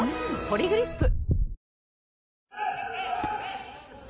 「ポリグリップ」